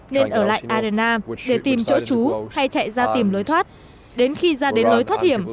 nên ở lại arrena để tìm chỗ chú hay chạy ra tìm lối thoát đến khi ra đến lối thoát hiểm